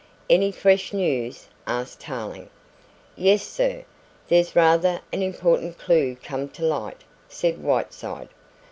"Any fresh news?" asked Tarling. "Yes, sir, there's rather an important clue come to light," said Whiteside.